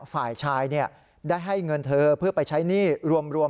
ฝ่ายชายได้ให้เงินเธอเพื่อไปใช้หนี้รวม